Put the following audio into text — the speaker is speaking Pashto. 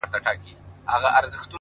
ښه موده کيږي چي هغه مجلس ته نه ورځمه؛